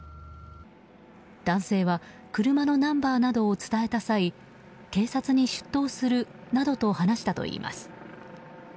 男性は車のナンバーなどを伝えた際警察に出頭するなどと話したといいます。